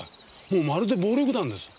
もうまるで暴力団です。